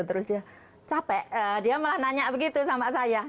terus dia capek dia malah nanya begitu sama saya